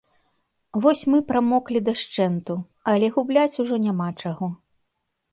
Вось мы прамоклі дашчэнту, але губляць ужо няма чаго.